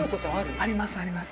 ありますあります。